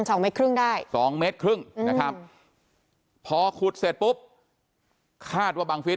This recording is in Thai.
สองเมตรครึ่งได้สองเมตรครึ่งนะครับพอขุดเสร็จปุ๊บคาดว่าบังฟิศ